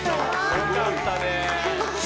よかったね。